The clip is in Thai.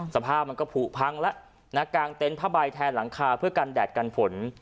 สภาพมันก็ผูพังแล้วนะกลางเต็นต์ผ้าใบแทนหลังคาเพื่อกันแดดกันฝน